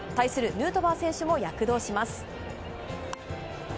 ヌートバー選手も躍動します。